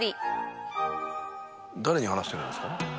誰に話してるんですか？